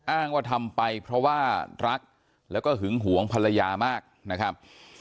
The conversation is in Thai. อ้างว่าทำไปเพราะว่ารักแล้วก็หึงหวงภรรยามากนะครับ